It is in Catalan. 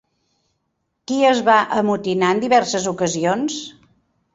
Qui es va amotinar en diverses ocasions?